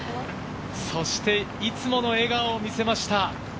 そしていつもの笑顔を見せました。